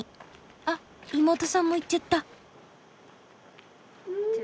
あっ妹さんも行っちゃった。